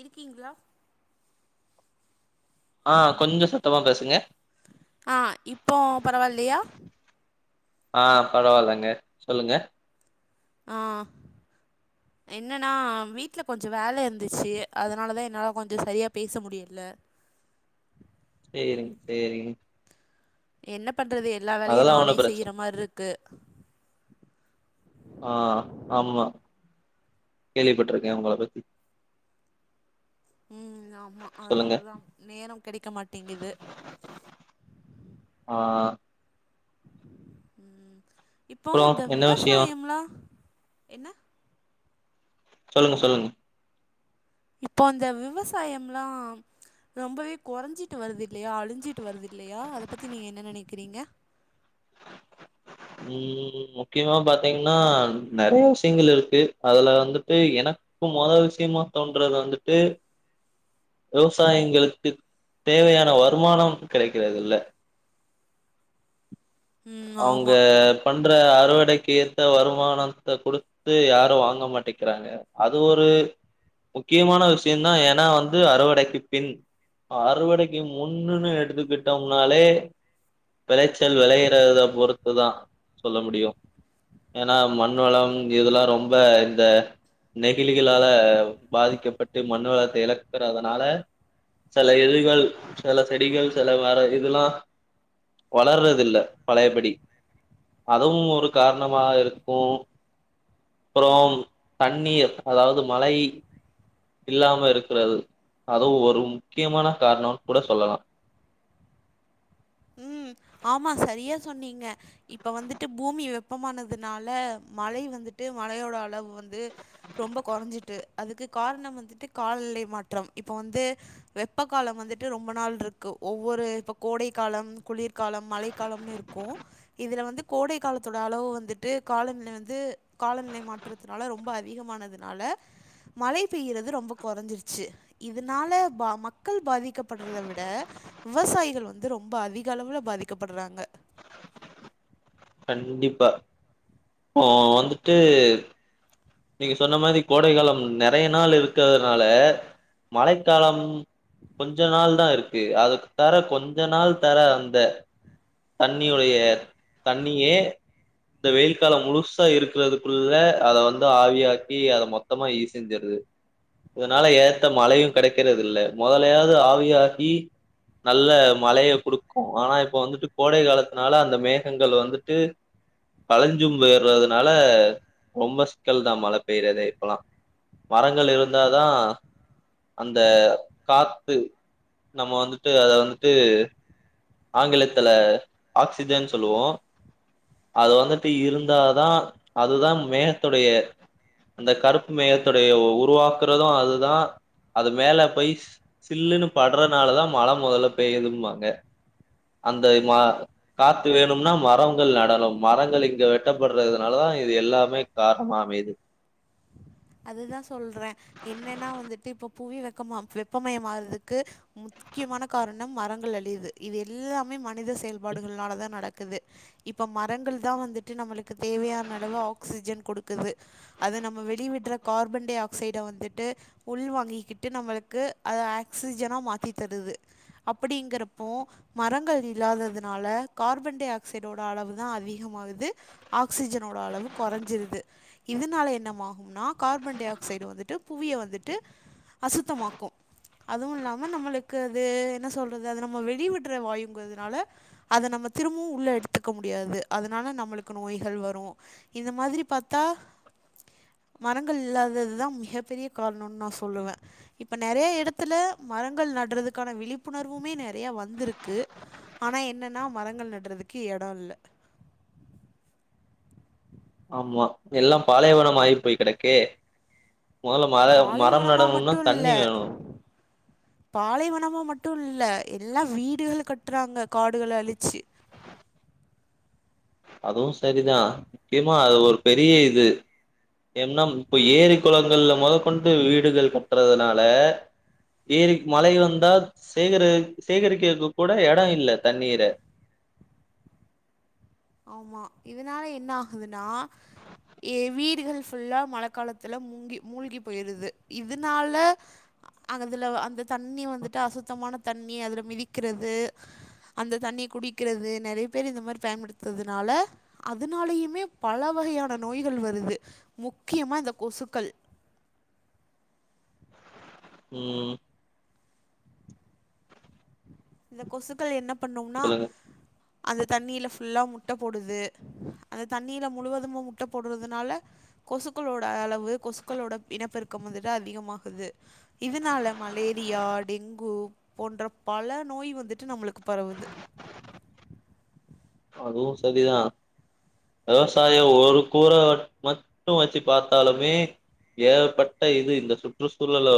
இருக்கீங்கிளா ஆ கொஞ்சம் சத்தமா பேசுங்க ஆ இப்போ பரவாயில்லையா ஆ பரவாயில்லங்க சொல்லுங்க ஆ என்னன்னா வீட்ல கொஞ்சம் வேல இருந்துச்சி அதனால தா என்னால கொஞ்சம் சரியா பேச முடியில சேரிங்க சேரிங்க என்ன பண்றது எல்லா வேலையு அதெல்லா ஒண்ணு நானே பிரச்சன செய்யற மாரி இருக்கு ஆ ஆமா கேள்விப்பட்டுருக்கன் உங்கள பத்தி ம் ஆமா சொல்லுங்க அதனாலதா நேரம் கெடைக்க மாட்டேங்கிது ஆ ம் இப்போ அப்றோ இந்த என்ன விஷயோ விவசாயம்லா என்ன சொல்லுங்க சொல்லுங்க இப்போ அந்த விவசாயம்லா ரொம்பவே கெறஞ்சிட்டு வருது இல்லையா அழிஞ்சிட்டு வருது இல்லையா அத பத்தி நீங்க என்ன நெனக்கிறீங்க [inaudible] ம் முக்கியமா பாத்தீங்கன்னா நறையா விஷியங்கள் இருக்கு அதுல வந்துட்டு எனக் கு மொத விஷியமா தோன்றது வந்துட்டு விவசாயிங்களுக்கு தேவையான வருமானம் கெடைக்கறது இல்ல ம் அவுங்க ஆமா பண்ற அறுவடைக்கு ஏத்த வருமானத்த குடுத்து யாரும் வாங்க மாட்டிக்கிறாங்க அது ஒரு முக்கியமான விஷியந்தான் ஏனா வந்து அறுவடைக்கு பின் அறுவடைக்கு முன்னுன்னு எடுத்துக்கிட்டோம்னாலே விளைச்சல் வெளைய டத பொறுத்து தா சொல்ல முடியும் ஏனா மண் வளம் இதுலா ரொம்ப இந்த நெகிழிகளால பாதிக்கப்பட்டு மண் வளத்த எழக்கறதனால செல இதழ்கள் செல செடிகள் செல வார இதுலா வளறது இல்ல பழயபடி அதுவும் ஒரு காரணமா இருக்கும் அப்புறம் தண்ணீர் அதாவது மழை இல்லாம இருக்கிறது அதுவும் ஒரு முக்கியமான காரணோன் கூட சொல்லலா ம் ஆமா சரியா சொன்னீங்க இப்ப வந்துட்டு பூமி வெப்பமானதுனால மழை வந்துட்டு மழயோட அளவு வந்து ரொம்ப கொறஞ்சிட்டு அதுக்கு காரணம் வந்துட்டு கால்நிலை மாற்றம் இப்போ வந்து வெப்ப காலம் வந்துட்டு ரொம்ப நாள் ருக்கு ஒவ்வொரு இப்ப கோடை காலம் குளிர்காலம் மழை காலம்னு இருக்கும் இதுல வந்து கோடை காலத்தோட அளவு வந்துட்டு காலநிலை வந்து காலநிலை மாற்றதுனால ரொம்ப அதிகமானதுனால மழை பெய்றது ரொம்ப கொறஞ்சிருச்சு இதுனால பா மக்கள் பாதிக்கப்படுறத விவசாயிகள் வந் ந்து ரொம்ப அதிக அளவுல பாதிக்கப்பட்றாங்க கண்டிப்பா இப்போ வந்துட்டு நீங்க சொன்ன மாரி கோடை காலம் நெறைய நாள் இருக்றதுனால மழைக்காலம் கொஞ்ச நாள் தா இருக்கு அது தர கொஞ்ச நாள் தர அந்த தண்ணியோடய தண்ணியே இந்த வெயில் காலம் முழுசா இருக்கிறதுக்குள்ள அத வந் து ஆவியாக்கி அத மொத்தமா ஈ செஞ்சருது இதனால ஏத்த மழையு கெடைக்கறதுல்ல மொதலையாது ஆவி ஆகி நல்ல மழையை குடுக்கு ஆனா இப்ப வந்துட்டு கோடை காலத்னால அந்த மேகங்கள் வந்துட்டு கலஞ்சூம் போயிறதுனால ரொம்ப சிக்கல் தா மழை பெய்றதே இப்பலா மரங்கள் இருந்தாதா அந்த காத்து நம்ம வந்துட்டு அத வந்துட்டு ஆங்கிலத்துல ஆக்சிஜன் சொல்லுவோ அது வந்துட்டு இருந்தாதா அதுதா மேகத்தோடைய அந்த கருப்பு மேகத்தடைய உருவாக்குறது அதுதான் அது மேல போயி சில்லுன்னு பட்றனாலதா மழை மொதல்ல பெய்தும்பாங்க அந்த இதுமா காத்து வேணுனா மரங்கள் நடனு மரங்கள் இங்க வெட்டப்பட்றதுனால தா இது எல்லாமே காரணமா அமையுது அதுதா சொல்றே என்னன்னா வந்துட்டு இப்ப புவி வெக்கமா வெப்பமயொ ஆறதுக்கு மு முக்கியமான காரணம் மரங்கள் அழியிது இது எல்லாமே மனித செயல்பாடுகள்னால தா நடக்குது இப்போ மரங்கள் தா வந்துட்டு நம்மளுக்கு தேவையான அளவு ஆக்சிஜன் குடுக்குது அது நம்ம வெளி விட்ற கார்பன் டை ஆக்சைட வந்துட்டு உள் வாங்கிக்கிட்டு நம்மளுக்கு அத ஆக்சிஜனா மாத்தி தருது அப்டிங்கறப்போ மரங்கள் இல்லாததுனால கார்பன் டை ஆக்சைடோட அளவுதா அதிகமாகுது ஆக்சிஜனோட அளவு கொறஞ்சிருது இதனால என்னமாகூனா கார்பன் டை ஆக்சைடு வந்துட்டு புவிய வந்துட்டு அசுத்தமாக்கு அதும் இல்லாம நம்மளக்கது என்ன சொல்றது அது நம்ம வெளி விட்ற வாயுங்கிறதுனால அத நம்ம திரும்பவு உள்ள எடுத்துக்க முடியாது அதனால நம்மளுக்கு நோய்கள் வரு இத மாதிரி பாத்தா மரங்கள் இல்லாததுதா மிக பெரிய காரணனு நா சொல்லுவே இப்ப நெறையா எடத்துல மரங்கள் நடறதுக்கான விழிப்புணர்வுமே நெறையா வந்திருக்கு ஆனா என்னனா மரங்கள் நட்றதுக்கு எடொ இல்ல ஆமா எல்லா பாலைவனொ ஆயிப்போயி கெடக்கே மொதல்ல மர மரம் பாலைவனமாக நடணுனா தண்ணி வேணு பாலைவனமா மட்டும் இல்ல எல்லா வீடுகள் கட்றாங்க காடுகள அழிச்சி அதுவு சரிதா முக்கியமா அது ஒரு பெரிய இது என்னம் இப்ப ஏரி குளங்கள்ல மொத கொண்டு வீடுகள் கட்றதுனால ஏரி மழை வந்தா சேகரு சேகரிக்கிறது கூட எடொ இல்ல தண்ணீர ஆமா இதனால என்ன ஆகுதுனா ஏ வீடுகள் ஃபுல்லா மழ காலத்துல முங்கி மூழ்கி போயிருது இதுனால அதுல அந்த தண்ணி வந்துட்டு அசுத்தமான தண்ணி அதுல மிதிக்குறது அந்த தண்ணிய குடிக்கிறது நறையா பேரு இந்த மாரி பயன்படுத் த்துறதுனால அதனாலயுமே பல வகையான நோய்கள் வருது முக்கியமா இந்த கொசுக்கள் ம் இந்த கொசுக்கள் என்ன பண்ணும்னா சொல்லுங்க அந்த தண்ணில ஃபுல்லா முட்ட போடுது அந்த தண்ணில முழுவதுமு முட்ட போடுறதுனால கொசுக்களோட அளவு கொசுக்களோட இனப்பெருக்கம் வந்துட்டு அதிகமாகுது இதுனால மலேரியா டெங்கு போன்ற பல நோய் வந்துட்டு நம்மளுக்கு பரவுது அதுவு செரிதா விவசாயோ ஒரு கூர மட் மட்டு வெச்சுப் பாத்தாலுமே ஏகப்பட்ட இது இந்த சுற்று சூழல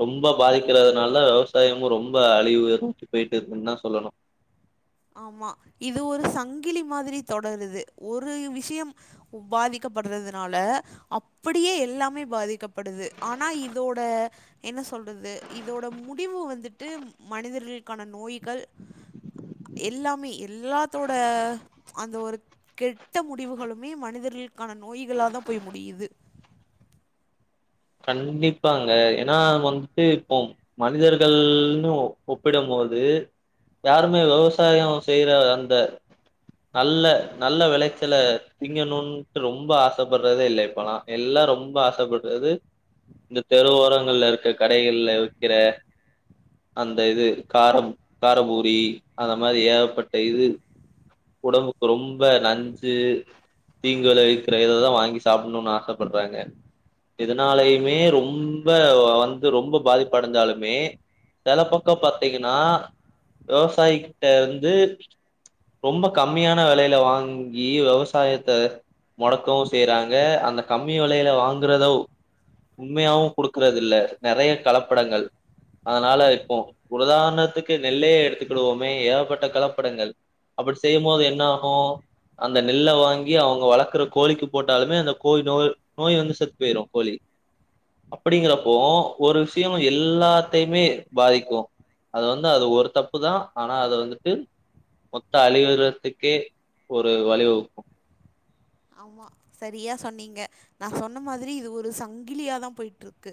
ரொம்ப பாதிக்கிறதுனால விவசாயமு ரொம்ப அழிவு இருந்துட்டு போயிட்டு இருக்குன் தா சொல்லணு ஆமா இது ஒரு சங்கிலி மாதிரி தொடருது ஒரு விஷ்யம் உபாதிக்கப்படுறதுனால அப்டியே எல்லாமே பாதிக்கப்படுது ஆனா இதோட என்ன சொல்றது இதோட முடிவு வந்துட்டு மனிதர்கள்கான நோய்கள் எல்லாமே எல்லாத்தோட அந்த ஒரு கெட்ட முடிவுகளுமே மனிதர்களுக்கான நோய்களாதா போய் முடியுது கண்டிப்பாங்க ஏனா வந்துட்டு போம் மனிதர்கள்னு ஒப்பிடம் போது யாருமே விவசாயோ செய்யற அந்த நல்ல நல்ல வெளைச்சல திங்கணுன்ட்டு ரொம்ப ஆசப்படுறதே இல்ல இப்பல்லா எல்லா ரொம்ப ஆசப்படுறது இந்த தெரு ஓரங்கள்ல இருக்க கடைகள்ல விக்கிற அந்த இது காரம் காரபூரி அந்த மாரி ஏகப்பட்ட இது உடம்புக்கு ரொம்ப நஞ்சு தீங்கு வெளைவிக்கிறததா வாங்கி சாப்புணுன்னு ஆசப்படுறாங்க அதனாலயுமே ரொம்ப வந்து ரொம்ப பாதிப்படஞ்சாலுமே செல பக்கோ பாத்தீங்கன்னா விவசாயி கிட்ட வந்து ரொம்ப கம்மியான வெலைல வாங்கி வெவசாயத்த மொடக்கவு செய்யறாங்க அந்த கம்மி வெலையில வாங்கறதோ உண்மையாவு குடுக்கறதில்ல நறையா கலப்படங்கள் அதனால இப்போ உலதாணத்துக்கு நெல்லையே எடுத்துக்கிடுவோமே ஏகப்பட்ட கலப்படங்கள் அப்புடி செய்யம்போது என்ன ஆகு அந்த நெல்ல வாங்கி அவங்க வளக்குற கோழிக்கு போட்டாலுமே அந்த கோயி நோய் நோய் வந்து செத்து போயிரு கோழி அப்புடிங்கறப்போ ஒரு விஷ்யோ எல்லாத்தையுமே பாதிக்கு அது வந்து அது ஒரு தப்பு தா ஆனா அத வந்துட்டு மொத்த அழிவுறத்துக்கே ஒரு வழிவகுக்கு ஆமா சரியா சொன்னீங்க நா சொன்ன மாதிரி இது ஒரு சங்கிலியாதாம் போயிட்ருக்கு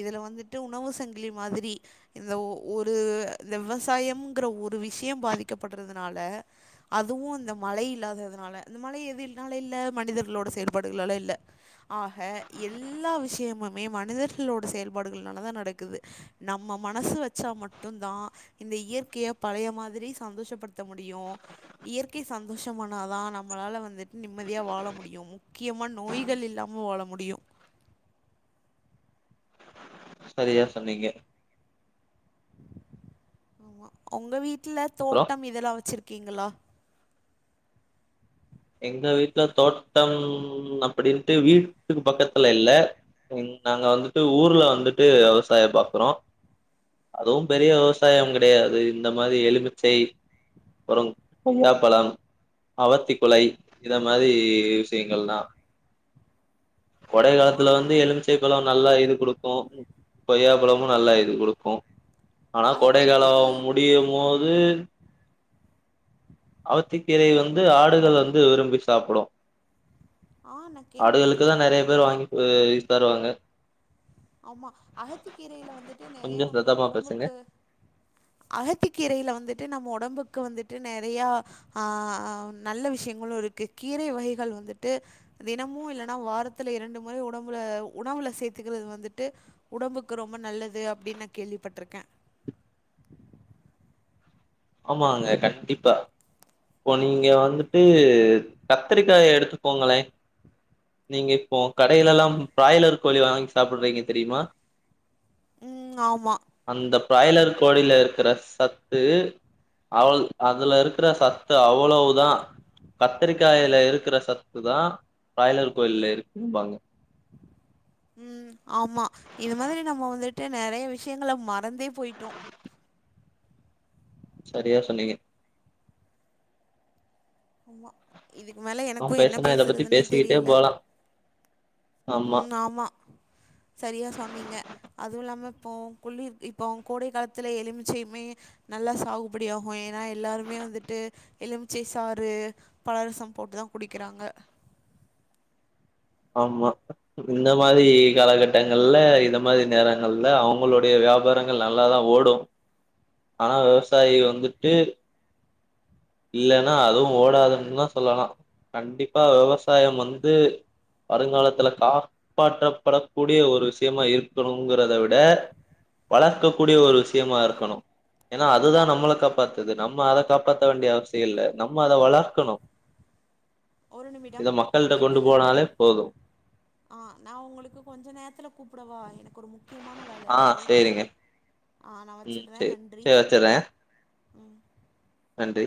இதுல வந்துட்டு உணவு சங்கிலி மாதிரி இந்த ஒரு இந்த விவசாயம்ங்குற ஒரு விஷ்யம் பாதிக்கப்படுறதுனால அதுவுமஅந்த மழை இல்லாததுனால அந்த மழை எதுல்னால இல்ல மனிதர்களோட செயல்பாடுகளால இல்ல ஆஹ எல்லா விஷ்யமுமே மனிதர்களோட செயல்பாடுகள்னாலதா நடக்குது நம்ம மனசு வச்சா மட்டுந்தா இந்த இயற்கைய பழைய மாதிரி சந்தோஷப்படுத்த முடியு இயற்கை சந்தோஷமானாதா நம்மளால வந்துட்டு நிம் ம்மதியா வாழ முடியு முக்கியமா நோய்கள் இல்லாம வாழ முடியு சரியா சொன்னீங்க ஆமா உங்க வீட்டுல அப்றோ தோட்டம் இதெல்லா வச்சிருக்கீங்களா எங்க வீட்டுல தோட்டம் அப்டின்ட்டு வீட்டுக்கு பக்கத்துல இல்ல ம் நாங்க வந்துட்டு ஊர்ல வந்துட்டு வெவசாய பாக்குறோ அதுவும் பெரிய விவசாயம் கெடையாது இந்த மாரி எலுமிச்சை பழ கொய்யாப்பழம் அவத்தி குளை இந்த மாரி விஷ்யங்கள்லா கொடை ஆ காலத்துல வந்து எலுமிச்சைப்பழ நல்லா இது குடுக்கு கொய்யா பழமு நல்லா இது குடுக்கு ஆனா கோடைக்கால அகத்திக்கீரை முடி முடியுமோது அவத்தி கீரைல வந்து ஆட் டுகள் வந்து விரும்பி சாப்புடு ஆ நான் ஆடுகளுக்கு தா கேள்விப்பட்டிருக்கேன். நெறைய பேர் வாங்கி அ இத தருவாங்க ஆமா அகத்தி கீரைல வந்துட்டு நெறைய கொஞ்சோ நம்மளுக்கு சத்தமா பேசுங்க உடம்புக்கு அகத்தி கீரைல வந்துட்டு நம்ம ஒடம்புக்கு வந்துட்டு நெறையா ஆ ஆ நல்ல விஷ்யங்களு இருக்கு கீரை வகைகள் வந்துட்டு தினமு இல்லனா வாரத்துல இரண்டு முறை உடம்புல உணவுல சேத்துக்கிறது வந்துட் டு உடம்புக்கு ரொம்ப நல்லது அப்டின் நா கேள்விப்பட்ருக்கே ஆமாங்க கண்டிப்பா இப்ப நீங்க வந்துட்டு கத்திரிக்காய எடுத்துக்கோங்களே நீங்க இப்போ கடைலலாம் பிராய்லர் கோழி வாங்கி சாப்பிட்றீங்க தெரியுமா ம் ஆமா அந்த பிராய்லர் கோழில இருக்கிற சத்து அவள் அதுல இருக்கிற சத்து அவ்வளவுதா கத்திரிக்காயில இருக்கிற சத்து தா பிராய்லர் கோழில இருக்கும்பாங்க ம் ஆமா இது மாதிரி நம்ம வந்துட்டு நெறைய விஷ்யங்கல மறந்தே போயிட்டோ சரியா சொன்னீங்க ஆமா இதுக்கு மேல நா எனக்கு என்ன பேசுனா இத பத்தி பேசுறதுனே பேசிக்கிட்டே தெரியல போலா ம் ஆமா சரியா சொன்னீங்க அதுவு இல்லாம இப்போ குளிர் இப்போ கோடை காலத்துல எலுமிச்சையுமே நல்லா சாகுபடி ஆகு ஏனா எல்லாருமே வந்துட்டு எலுமிச்சை சாறு பழரசம் போட்டுதா குடிக்கிறாங்க ஆமா இந்த மாரி காலகட்டங்கள்ல இந்த மாரி நேரங்கள்ல அவ்ங்களுடைய வியாபாரங் கள் நல்லா தா ஓடு ஆனா விவசாயிக வந்துட்டு இல்லனா அதுவு ஓடாதுன்னு தா சொல்லலா கண்டிப்பா ஆமாம் வெவசாயம் வந்து வருங்காலத்துல காப்பாற்றப்படக் கூடிய ஒரு விஷய்மா இருக்கணுங்கிறத விட வளக்கக் கூடிய ஒரு விஷ்யமா இருக்கணு ஏனா அதுதா ஆமாம் நம்மள காப்பாத்துது நம்ம அத காப்பாத் த வேண்டிய அவசிய இல்ல நம்ம அத வளர்க்கணு ஒரு இத நிமிடம் மக்கள்ட்ட கொண்டு என்னண்ணா போனாலே போது ஆ நா உங்களுக்கு கொஞ்ச நேரத்துல கூப்புடவா எனக்கு ஒரு முக்கியமான வேல ஆ இருக்கு சேரிங்க ம் சேரி சேரி வச்சுட்றே ம் நன்றி